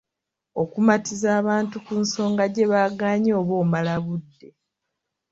Okumatiza abantu ku nsonga gye bagaanye oba omala budde.